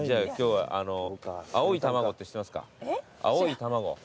青い卵。